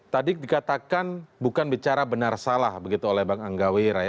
tadi dikatakan bukan bicara benar salah begitu oleh bang anggawi raya